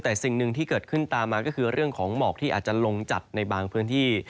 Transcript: แต่สิ่งหนึ่งที่เกิดขึ้นตามมาก็คือเรื่องของหมอกที่อาจจะลงจัดในบางพื้นที่